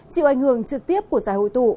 chịu ảnh hưởng trực tiếp của giải hội tụ